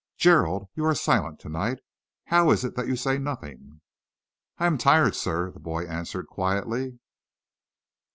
Gerald, you are silent to night. How is it that you say nothing?" "I am tired, sir," the boy answered quietly.